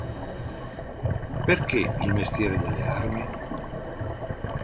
Perché "Il mestiere delle armi"?